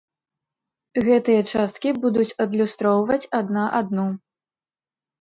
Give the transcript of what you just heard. Гэтыя часткі будуць адлюстроўваць адна адну.